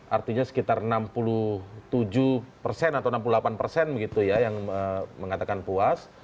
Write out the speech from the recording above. artinya sekitar enam puluh tujuh persen atau enam puluh delapan persen begitu ya yang mengatakan puas